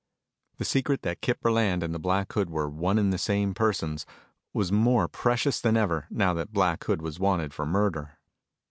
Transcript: The secret that Kip Burland and the Black Hood were one and the same persons was more precious than ever, now that Black Hood was wanted for murder.